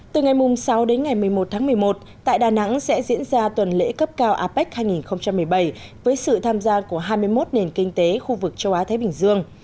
từ ngày sáu đến ngày một mươi một tháng một mươi một tại đà nẵng sẽ diễn ra tuần lễ cấp cao apec hai nghìn một mươi bảy với sự tham gia của hai mươi một nền kinh tế khu vực châu á thái bình dương